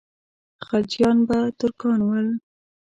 خلجیان به ترکان ول.